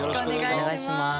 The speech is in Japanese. お願いします。